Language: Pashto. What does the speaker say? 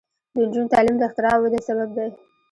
د نجونو تعلیم د اختراع ودې سبب دی.